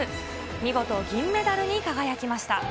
見事、銀メダルに輝きました。